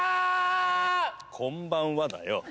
こんばんはだよ